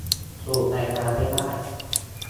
สูบในร้านไม่ได้